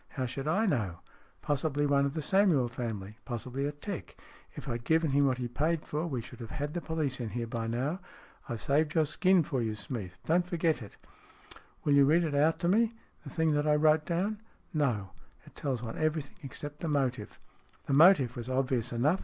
" How should I know ? Possibly one of the Samuel family. Possibly a 'tec. If I had given him what he had paid for, we should have had the police in here by now. I have saved your skin for you, Smeath. Don't forget it." " Will you read it out to me, the thing that I wrote down ?"" No. It tells one everything, except the motive." " The motive was obvious enough.